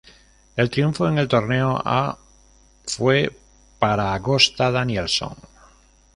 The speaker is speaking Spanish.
El triunfo en el Torneo A fue para Gösta Danielsson.